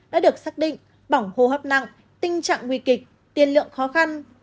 đã được xác định bỏng hô hấp nặng tình trạng nguy kịch tiền lượng khó khăn